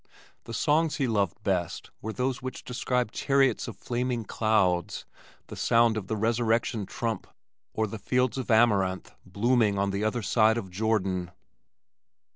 The songs he loved best were those which described chariots of flaming clouds, the sound of the resurrection trump or the fields of amaranth blooming "on the other side of Jordan."